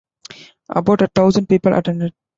About a thousand people attended.